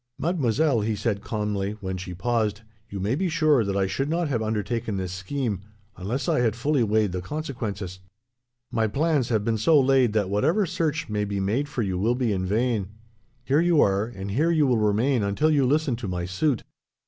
"'Mademoiselle,' he said calmly, when she paused, 'you may be sure that I should not have undertaken this scheme, unless I had fully weighed the consequences. My plans have been so laid that whatever search may be made for you will be in vain. Here you are, and here you will remain until you listen to my suit.